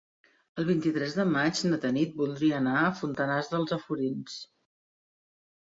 El vint-i-tres de maig na Tanit voldria anar a Fontanars dels Alforins.